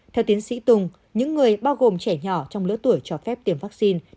theo tiến sĩ tùng những người bao gồm trẻ nhỏ trong lứa tuổi cho phép tiêm vaccine